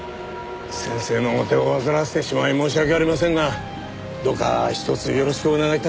先生のお手を煩わせてしまい申し訳ありませんがどうかひとつよろしくお願い致します。